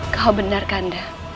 kau benar kanda